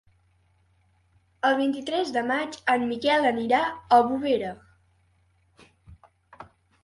El vint-i-tres de maig en Miquel anirà a Bovera.